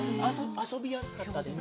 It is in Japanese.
遊びやすかったです。